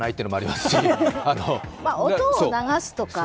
音を流すとか？